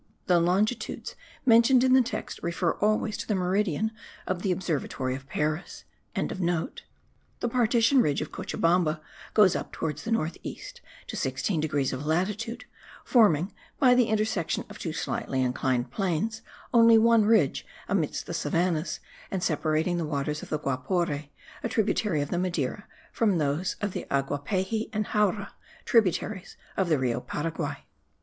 The longitudes mentioned in the text refer always to the meridian of the Observatory of Paris.)) the partition ridge of Cochabamba goes up towards the north east, to 16 degrees of latitude, forming, by the intersection of two slightly inclined planes, only one ridge amidst the savannahs, and separating the waters of the Guapore, a tributary of the Madeira, from those of the Aguapehy and Jauru, tributaries of the Rio Paraguay.